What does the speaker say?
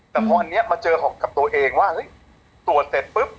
แต่พออันนี้มาเจอกับตัวเองว่าเฮ้ยตรวจเสร็จปุ๊บ